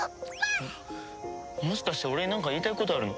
もしかして俺になんか言いたいことあるの？